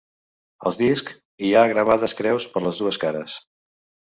Als discs hi ha gravades creus per les dues cares.